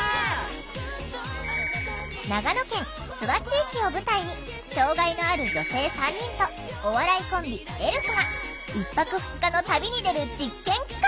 長野県諏訪地域を舞台に障害のある女性３人とお笑いコンビエルフが１泊２日の旅に出る実験企画！